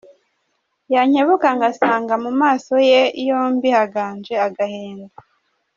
Yankebuka ngasanga Mu maso ye yombi Haganje agahinda.